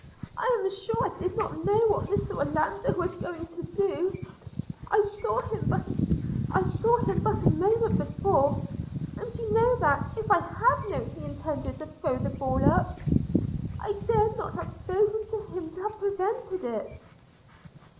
I am sure I did not know what Mr Orlando was going to do; I saw him but a moment before; and you know that, if I had known he intended to throw the ball up, I dared not have spoken to him to have prevented it.'